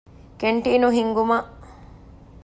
ކެންޓީނު ހިންގުމަށް